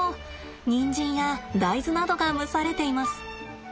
人参や大豆などが蒸されています。